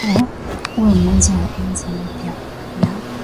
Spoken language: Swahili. wanataka huo uwe mwanzo wa enzi mpya ya